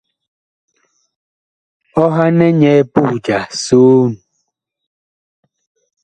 Ɔhanɛ nyɛ puh ja soon.